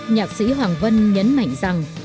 nhạc sĩ hoàng vân nhấn mạnh rằng